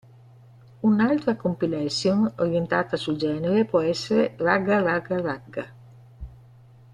Un'altra compilation orientata sul genere può essere "Ragga Ragga Ragga!